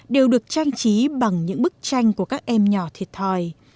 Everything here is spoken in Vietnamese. đều được trang trí bằng những bức tranh của các em nhỏ thiệt thòi